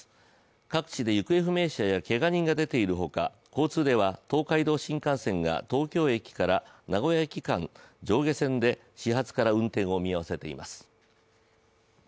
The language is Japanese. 各地で行方不明者やけが人が出ているほか交通では東海道新幹線が東京駅から名古屋駅間、上下線で始発から運転を見合わせています。